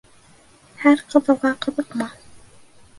Һәр ҡыҙылға ҡыҙыҡма.